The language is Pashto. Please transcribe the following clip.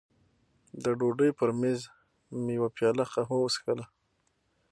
د ډوډۍ پر مېز مې یوه پیاله قهوه وڅښله.